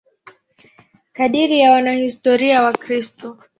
Kadiri ya wanahistoria Wakristo.